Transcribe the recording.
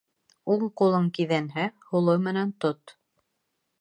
Уң ҡулың киҙәнһә, һулы менән тот.